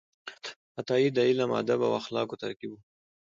عطايي د علم، ادب او اخلاقو ترکیب و.